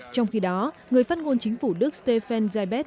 trong khi đó người phát ngôn chính phủ đức stefan zaybenk